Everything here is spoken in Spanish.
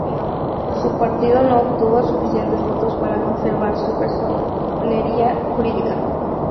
Su partido no obtuvo suficientes votos para conservar su personería jurídica.